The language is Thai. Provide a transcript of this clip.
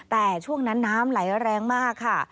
แต่ช่วงนั้นน้ำไหลแรงมากค่ะ